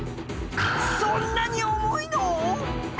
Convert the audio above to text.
そんなに重いの！？